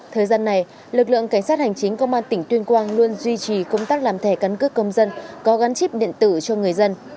thời gian này lực lượng cảnh sát hành chính công an tỉnh tuyên quang luôn duy trì công tác làm thẻ căn cước công dân có gắn chip điện tử cho người dân